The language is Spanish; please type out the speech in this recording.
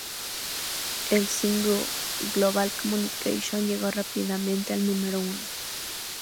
El single "Global Communication" llegó rápidamente al número uno.